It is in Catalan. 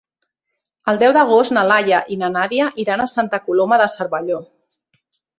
El deu d'agost na Laia i na Nàdia iran a Santa Coloma de Cervelló.